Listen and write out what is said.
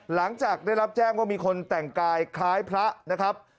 หลังจากได้รับแจ้งว่ามีคนแต่งกายคล้ายพระนะครับ